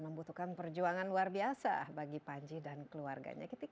membutuhkan perjuangan luar biasa bagi panji dan keluarganya